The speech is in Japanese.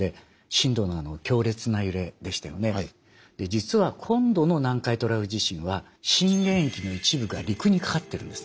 実は今度の南海トラフ地震は震源域の一部が陸にかかってるんです。